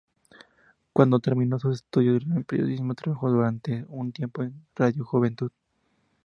Cuando terminó sus estudios de Periodismo, trabajó durante un tiempo en Radio Juventud.